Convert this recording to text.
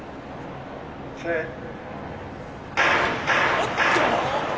おっと！